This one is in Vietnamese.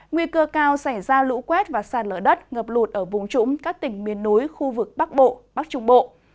nguy cơ cao xảy ra lũ quét và sạt lở đất ngập lụt ở vùng trũng các tỉnh miền núi khu vực bắc bộ bắc trung bộ